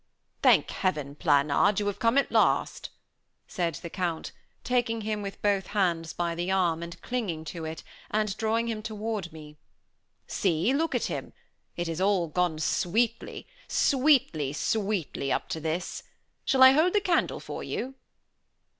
"Thank Heaven, Planard, you have come at last," said the Count, taking him with both hands by the arm, and clinging to it and drawing him toward me. "See, look at him. It has all gone sweetly, sweetly, sweetly up to this. Shall I hold the candle for you?"